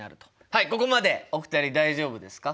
はいここまでお二人大丈夫ですか？